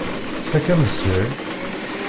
Fakk ameslay.